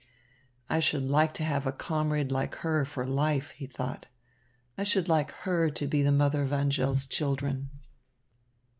"I should like to have a comrade like her for life," he thought. "I should like her to be the mother of Angèle's children."